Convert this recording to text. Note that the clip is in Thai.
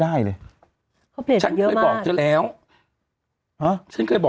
ไม่ได้เลยเมื่อบอกจะแล้ว